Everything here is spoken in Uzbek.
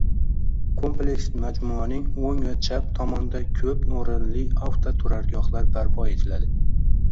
Kompleks majmuaning oʻng va chap tomonida ko`p oʻrinli avtoturargohlar barpo etiladi.